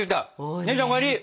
姉ちゃんお帰り！